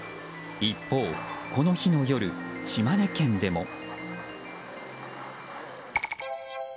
一方、この日の夜、島根県でも。